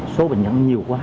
số bệnh nhân nhiều quá